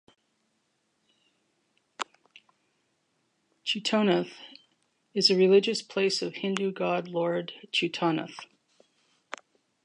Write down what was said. Chutonath is a religious place of Hindu god Lord chutonath.